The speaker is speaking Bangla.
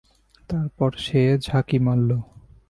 তারপর সে ঝাঁকি মারল।